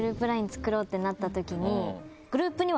作ろうってなったときに。